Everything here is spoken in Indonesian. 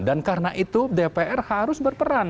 dan karena itu dpr harus berperan